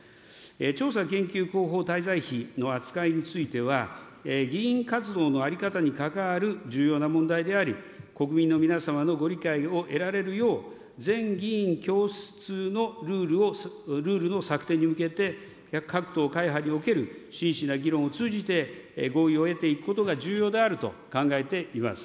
調査研究広報滞在費の扱いについては、議員活動の在り方に関わる重要な問題であり、国民の皆様のご理解を得られるよう、全議員きょうしゅつのルールの策定に向けて、各党会派における真摯な議論を通じて合意を得ていくことが重要であると考えています。